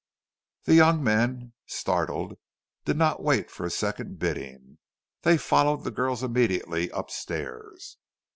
The young men, startled, did not wait for a second bidding; they followed the two girls immediately up stairs.